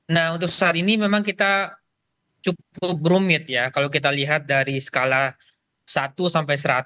nah untuk saat ini memang kita cukup rumit ya kalau kita lihat dari skala satu sampai seratus